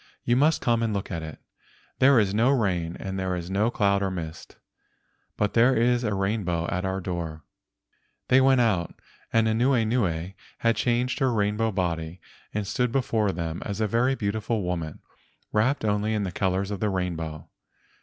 You must come and look at it. There is no rain and there are no clouds or mist, but there is a rainbow at our door." They went out, but Anuenue had changed her rainbow body and stood before them as a very beautiful woman, wrapped only in the colors of the rainbow.